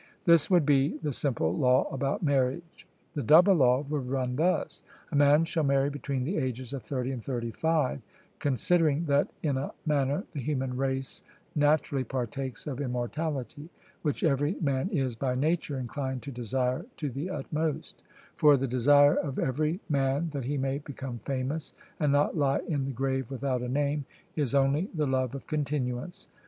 This would be the simple law about marriage. The double law would run thus: A man shall marry between the ages of thirty and thirty five, considering that in a manner the human race naturally partakes of immortality, which every man is by nature inclined to desire to the utmost; for the desire of every man that he may become famous, and not lie in the grave without a name, is only the love of continuance.